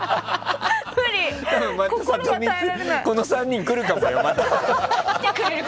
またこの３人が来るかもよ。